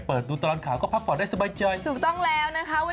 สามารถเปิดตัวร้านข่าวก็พักผ่อนได้สบายใจ